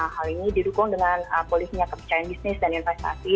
hal ini didukung dengan polisinya kepercayaan bisnis dan investasi